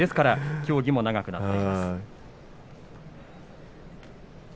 協議も長くなっています。